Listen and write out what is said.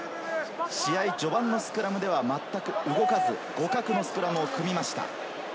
試合序盤のスクラムではまったく動かず互角のスクラムを組みました。